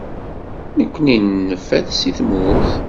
Nekkni nenfa-t seg tmurt.